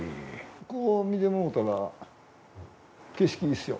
こう見てもろうたら景色いいですよ。